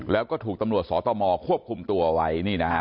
แล้วก็ถูกตำรวจสอตมควบคุมตัวไว้